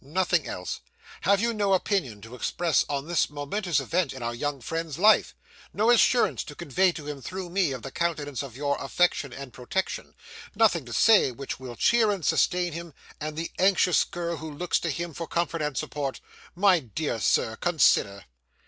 'Nothing else! Have you no opinion to express on this momentous event in our young friend's life? No assurance to convey to him, through me, of the continuance of your affection and protection? Nothing to say which will cheer and sustain him, and the anxious girl who looks to him for comfort and support? My dear Sir, consider.